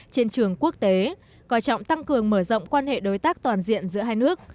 trên trường quốc tế coi trọng tăng cường mở rộng quan hệ đối tác toàn diện giữa hai nước